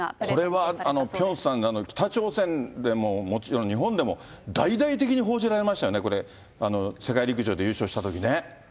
これはピョンさん、北朝鮮でももちろん、日本でも大々的に報じられましたよね、これ、世界陸上で優勝したときね。